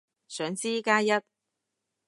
想知，加一